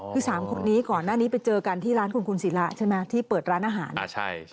คือ๓คนนี้ก่อนหน้านี้ไปเจอกันที่ร้านคุณคุณศิระใช่ไหมที่เปิดร้านอาหาร